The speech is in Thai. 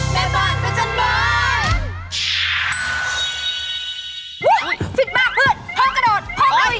ฟิตมากเพื่อนพูดกระโดด